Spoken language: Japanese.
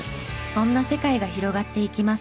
そんな世界が広がっていきます。